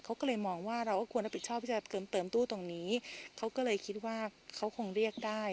เขาก็เลยมองว่าเราก็ควรรับผิดชอบที่จะเติมตู้ตรงนี้เขาก็เลยคิดว่าเขาคงเรียกได้